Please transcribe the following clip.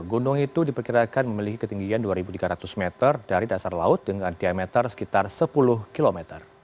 gunung itu diperkirakan memiliki ketinggian dua tiga ratus meter dari dasar laut dengan diameter sekitar sepuluh km